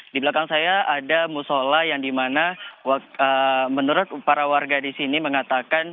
di belakang saya ada musola yang dimana menurut para warga di sini mengatakan